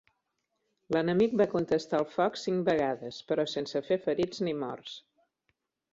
L'enemic va contestar al foc cinc vegades, però sense fer ferits ni morts.